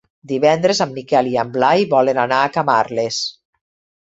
Divendres en Miquel i en Blai volen anar a Camarles.